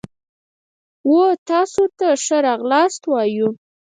و تاسو ته ښه راغلاست وایو.